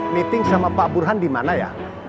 meeting sama pak burhan dimana ya